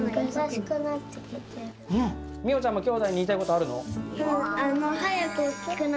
みよちゃんもきょうだいに言いたいことあるの？